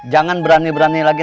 jangan berani berani lagi